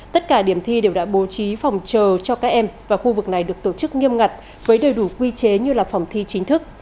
tất cả điểm thi đều đã bố trí phòng chờ cho các em và khu vực này được tổ chức nghiêm ngặt với đầy đủ quy chế như là phòng thi chính thức